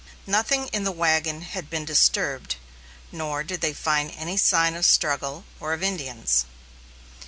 Nothing in the wagon had been disturbed, nor did they find any sign of struggle, or of Indians.